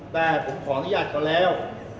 แต่ผมขออนุญาตเขาแล้ว